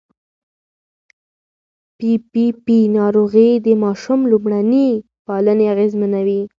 پي پي پي ناروغي د ماشوم لومړني پالنې اغېزمنوي.